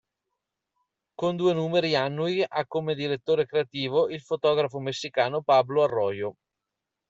Con due numeri annui ha come direttore creativo il fotografo messicano Pablo Arroyo.